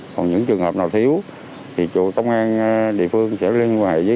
còn những trường hợp nào thiếu thì tổng an địa phương sẽ liên hệ với